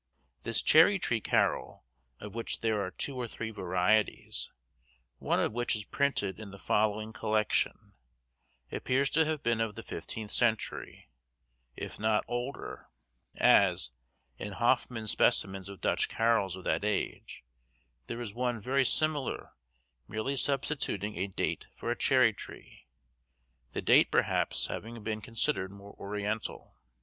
This cherry tree carol, of which there are two or three varieties, one of which is printed in the following collection, appears to have been of the fifteenth century, if not older; as, in Hoffman's specimens of Dutch carols of that age, there is one very similar, merely substituting a date for a cherry tree, the date perhaps having been considered more oriental.